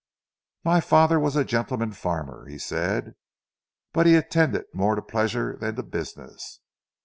"My father was a gentleman farmer," he said, "but he attended more to pleasure than to business.